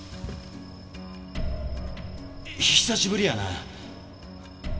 久しぶりやな。